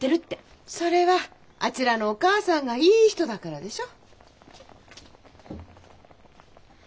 それはあちらのお義母さんがいい人だからでしょ。